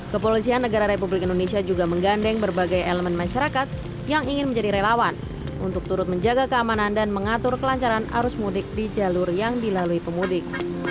kepolisian negara republik indonesia juga menggandeng berbagai elemen masyarakat yang ingin menjadi relawan untuk turut menjaga keamanan dan mengatur kelancaran arus mudik di jalur yang dilalui pemudik